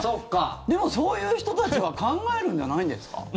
でも、そういう人たちは考えるんじゃないんですか？